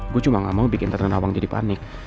gue cuma gak mau bikin tante nawang jadi panik